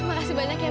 makasih banyak ya pak